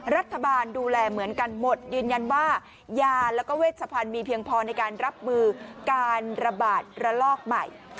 รัฐบาลดูแลเหมือนกันหมดยืนยันว่ายาแล้วก็เวชพันธุ์มีเพียงพอในการรับมือการระบาดระลอกใหม่